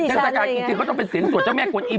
เทศกาลจริงก็ต้องเป็นเสียงสวดเจ้าแม่กวนอิม